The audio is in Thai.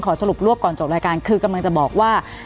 สรุปรวบก่อนจบรายการคือกำลังจะบอกว่า